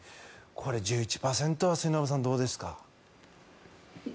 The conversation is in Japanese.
これ、１１％は末延さん、どうですか？